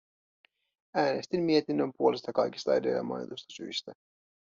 Äänestin mietinnön puolesta kaikista edellä mainituista syistä.